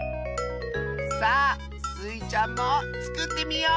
さあスイちゃんもつくってみよう！